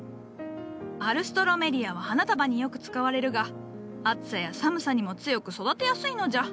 アルストロメリアは花束によく使われるが暑さや寒さにも強く育てやすいのじゃ。